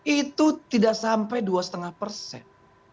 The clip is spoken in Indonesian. itu tidak sampai dua lima persen